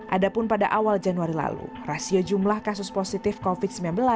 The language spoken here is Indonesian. adapun pada awal januari lalu rasio jumlah kasus positif covid sembilan belas